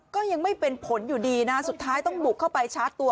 ก็ยังไม่เป็นผลอยู่ดีนะสุดท้ายต้องบุกเข้าไปชาร์จตัว